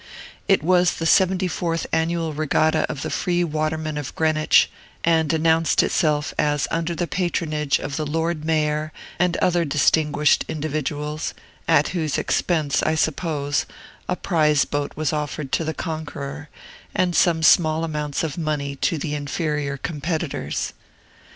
It was the seventy fourth annual regatta of the Free Watermen of Greenwich, and announced itself as under the patronage of the Lord Mayor and other distinguished individuals, at whose expense, I suppose, a prize boat was offered to the conqueror, and some small amounts of money to the inferior competitors.